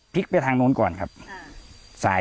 พลิกไปทางโน้นก่อนครับซ้าย